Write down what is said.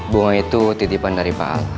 bunga itu titipan dari pak